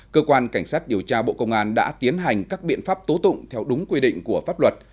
cơ quan cảnh sát điều tra bộ công an đã tiến hành các biện pháp tố tụng theo đúng quy định của pháp luật